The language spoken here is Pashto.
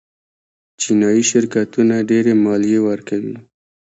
چینايي شرکتونه ډېرې مالیې ورکوي.